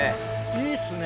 いいっすね。